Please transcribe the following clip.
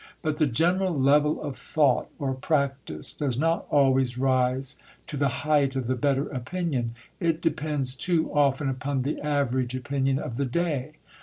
But the general level of thought or practice does not always rise to the height of the better opinion; it depends too often upon the average opinion of the day.